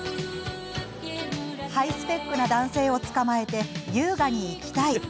ハイスペックな男性を捕まえて優雅に生きたい。